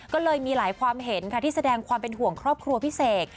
ก็เลยมีหลายความเห็นค่ะที่แสดงความเป็นห่วงครอบครัวพี่เสก